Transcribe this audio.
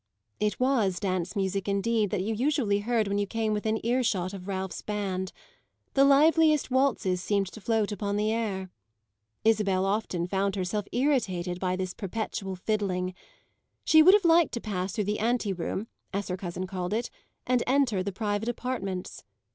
It was dance music indeed that you usually heard when you came within ear shot of Ralph's band; the liveliest waltzes seemed to float upon the air. Isabel often found herself irritated by this perpetual fiddling; she would have liked to pass through the ante room, as her cousin called it, and enter the private apartments.